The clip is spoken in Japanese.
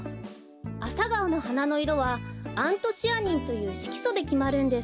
アサガオのはなのいろはアントシアニンというしきそできまるんです。